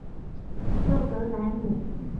洛格莱姆。